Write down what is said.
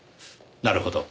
なるほど。